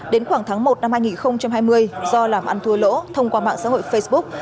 đến khoảng tháng một năm hai nghìn hai mươi do làm ăn thua lỗ thông qua mạng xã hội facebook